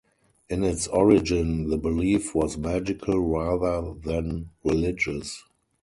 In its origin the belief was magical rather than religious.